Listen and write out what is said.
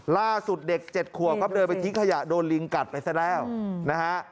ล่าสุดเด็ก๗ขวบครับเดินไปทิ้งขยะโดนลิงกัดไปซะแล้วนะฮะ